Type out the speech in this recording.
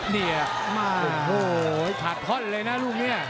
นี่อะโอ้โหถัดท้อนเลยนะรุ่นนี้